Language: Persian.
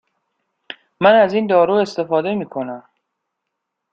من از این دارو استفاده می کنم.